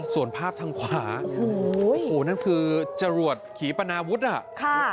ส่วนภาพทางขวาโอ้โหนั่นคือจรวดขีปนาวุฒิน่ะ